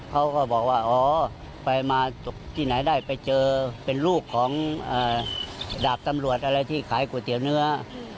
เขาก็บอกว่าอ๋อไปมาที่ไหนได้ไปเจอเป็นลูกของดาบตำรวจอะไรที่ขายก๋วยเตี๋ยวเนื้อ